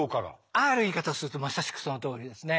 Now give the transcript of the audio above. ある言い方するとまさしくそのとおりですね。